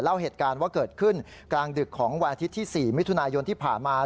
เล่าเหตุการณ์ว่าเกิดขึ้นกลางดึกของวันอาทิตย์ที่๔มิถุนายนที่ผ่านมา